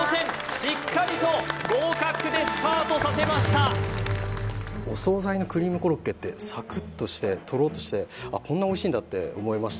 しっかりと合格でスタートさせましたお総菜のクリームコロッケってサクッとしてトロッとしてこんなおいしいんだって思いました